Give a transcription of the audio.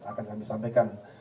akan kami sampaikan